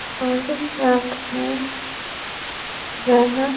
আমার কথা কানে যায় না?